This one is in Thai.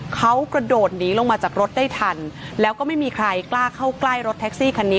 เขากระโดดหนีลงมาจากรถได้ทันแล้วก็ไม่มีใครกล้าเข้าใกล้รถแท็กซี่คันนี้